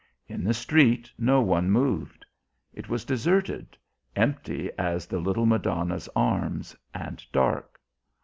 In the street no one moved; it was deserted, empty as the little Madonna's arms, and dark.